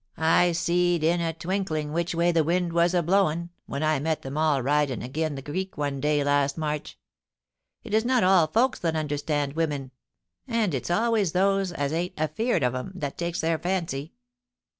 I seed in a twinkling which way the wind was a blowin', when I met them all ridin' agen the creek one day last March. It is not all folks that understand women ; and it's always those as ain't afeard of 'em that takes their fancy.'